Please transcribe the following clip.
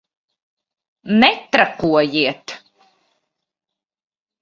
Netrakojiet!